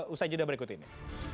usai jeda berikut ini